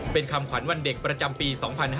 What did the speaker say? เป็นคำขวัญวันเด็กประจำปี๒๕๕๙